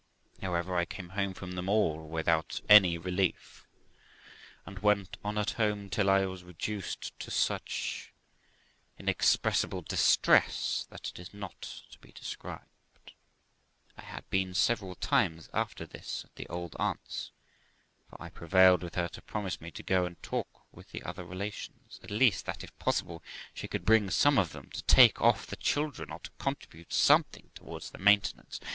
However, I came home from them all without any relief, and went on at home till I was reduced to such inexpressible distress that is not to be described. I had been several times after this at the old aunt's, for I prevailed with her to promise me to go and talk with the other relations, at least, that, if possible, she could bring some of them to take off the children, or to contribute something towards their maintenance.